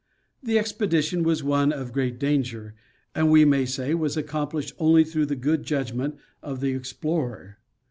The expedition was one of great danger, and we may say was accomplished only through the good judg ment of the explorer.